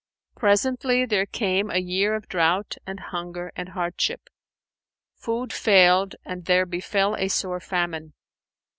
Presently there came a year of drought and hunger and hardship; food failed and there befel a sore famine.